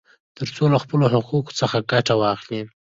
ترڅو له خپلو حقوقو څخه ګټه واخلي.